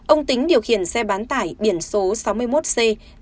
ông tính điều khiển xe bán tải biển số sáu mươi một c năm mươi năm nghìn bảy trăm một mươi bốn